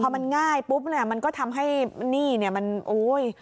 พอมันง่ายปุ๊บเนี่ยมันก็ทำให้หนี้เนี่ยมันโอ้ย